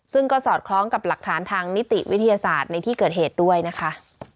ซึ่งก็สอดคล้องกับหลักฐานทางนิติวิทยาศาสตร์ในที่เกิดเหตุด้วยนะคะ